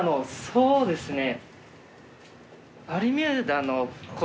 そうですよね。